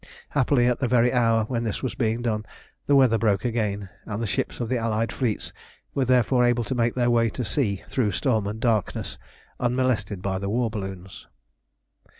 Happily at the very hour when this was being done the weather broke again, and the ships of the Allied fleets were therefore able to make their way to sea through storm and darkness, unmolested by the war balloons.